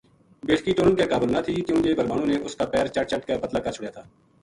بیٹکی ٹرن کے قابل نہ تھی کیوں جے بھربھانو نے اس کا پیر چَٹ چَٹ کے پتلا کر چھُڑیا تھا